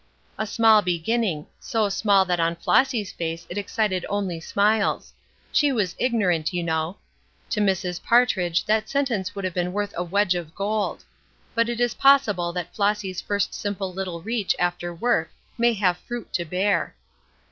A small beginning; so small that on Flossy's face it excited only smiles. She was ignorant, you know. To Mrs. Partridge that sentence would have been worth a wedge of gold. But it is possible that Flossy's first simple little reach after work may have fruit to bear.